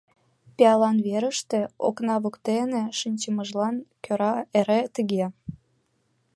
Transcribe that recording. Пиалан верыште, окна воктене шинчымыжлан кӧра эре тыге.